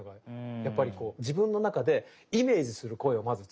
やっぱりこう自分の中でイメージする声をまず作る。